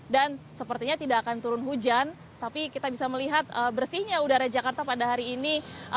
dan sepertinya tidak akan turun hujan tapi kita bisa melihat bersihnya udara jakarta pada hari ini